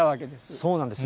そうなんですね。